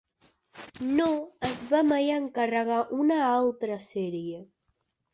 No es va mai encarregar una altra sèrie.